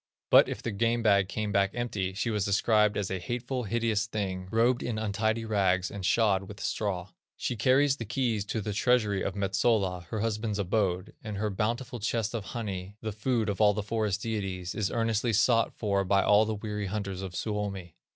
But if the game bag came back empty, she was described as a hateful, hideous thing, robed in untidy rags, and shod with straw. She carries the keys to the treasury of Metsola, her husband's abode, and her bountiful chest of honey, the food of all the forest deities, is earnestly sought for by all the weary hunters of Suomi.